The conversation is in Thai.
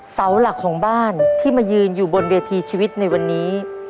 เสาหลักของบ้านที่มายืนอยู่บนเวทีชีวิตในวันนี้